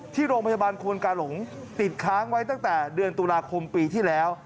ที่โรงพยาบาลควนกาหลงติดค้างไว้ตั้งแต่เดือนตุลาคมปีที่แล้ว